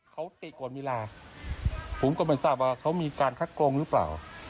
เขาตีก่อนเวลาผมก็ไม่ทราบว่าเขามีการคัดกรองหรือเปล่า